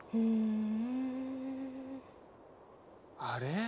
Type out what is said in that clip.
あれ？